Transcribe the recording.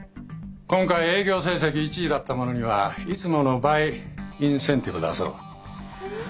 今回営業成績１位だった者にはいつもの倍インセンティブ出そう。